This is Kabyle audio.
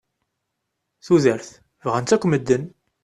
Tudert, bɣan-tt akk medden.